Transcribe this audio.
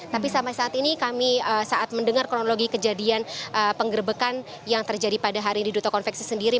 tapi sampai saat ini kami saat mendengar kronologi kejadian penggerbekan yang terjadi pada hari ini duta konveksi sendiri